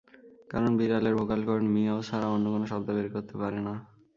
কারণ বিড়ালের vocal cord মিয়াও ছাড়া অন্য কোনো শব্দ করতে পারে না।